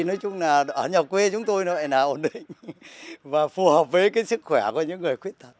nói chung là ở nhà quê chúng tôi nó lại là ổn định và phù hợp với cái sức khỏe của những người khuyết tật